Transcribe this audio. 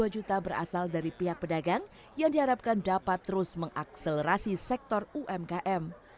dua juta berasal dari pihak pedagang yang diharapkan dapat terus mengakselerasi sektor umkm